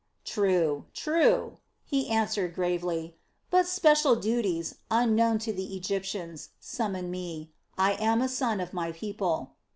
"True, true," he answered gravely; "but special duties, unknown to the Egyptians, summon me. I am a son of my people."